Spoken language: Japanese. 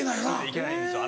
行けないんです。